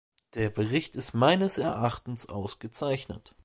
Der Bericht ist meines Erachtens ausgezeichnet.